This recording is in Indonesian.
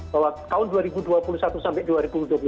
bahwa tahun dua ribu dua puluh satu sampai dua ribu dua puluh satu